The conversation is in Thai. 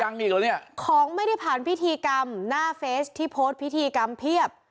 อีกเหรอเนี่ยของไม่ได้ผ่านพิธีกรรมหน้าเฟสที่โพสต์พิธีกรรมเพียบ